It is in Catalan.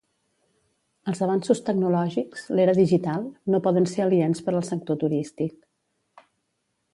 Els avanços tecnològics, l’era digital, no poden ser aliens per al sector turístic.